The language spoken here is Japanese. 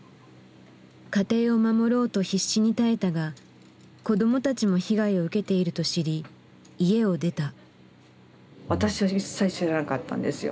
家庭を守ろうと必死に耐えたが子どもたちも被害を受けていると知り家を出た。